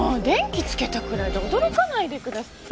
電気つけたくらいで驚かないでくださ。